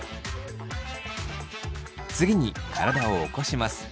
次に体を起こします。